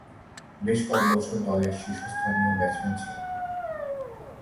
বেশ কয়েক বছর দলের শীর্ষস্থানীয় ব্যাটসম্যান ছিলেন।